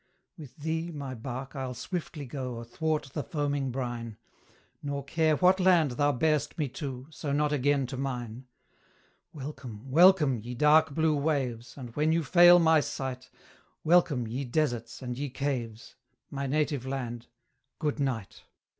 With thee, my bark, I'll swiftly go Athwart the foaming brine; Nor care what land thou bear'st me to, So not again to mine. Welcome, welcome, ye dark blue waves! And when you fail my sight, Welcome, ye deserts, and ye caves! My Native Land Good Night!